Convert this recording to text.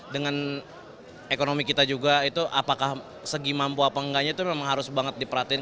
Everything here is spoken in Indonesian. dengan ekonomi kita juga itu apakah segi mampu apa enggaknya itu memang harus banget diperhatiin